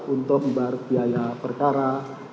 untuk membar biaya perkara